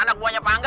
anak buahnya pangga